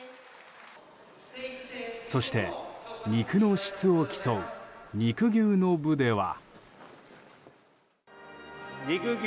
そして肉の質を競う肉牛の部では。